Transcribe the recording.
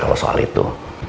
kalau soal itu